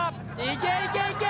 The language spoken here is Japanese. いけいけいけ！